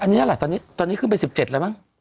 อันนี้ละตอนนี้ขึ้นไปสิบเจ็ดแล้วมั้ง